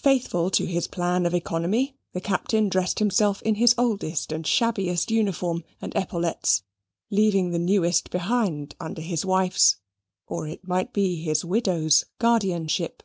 Faithful to his plan of economy, the Captain dressed himself in his oldest and shabbiest uniform and epaulets, leaving the newest behind, under his wife's (or it might be his widow's) guardianship.